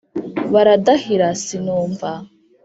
baradahira sinumva